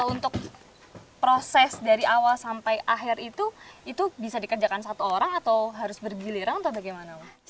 untuk proses dari awal sampai akhir itu itu bisa dikerjakan satu orang atau harus bergiliran atau bagaimana mas